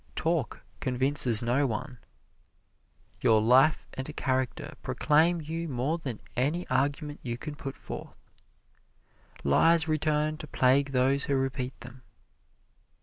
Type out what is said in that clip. Talk convinces no one. Your life and character proclaim you more than any argument you can put forth. Lies return to plague those who repeat them.